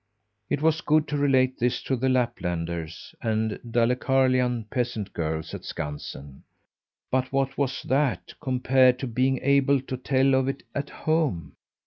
It was good to relate this to the Laplanders and Dalecarlian peasant girls at Skansen, but what was that compared to being able to tell of it at home?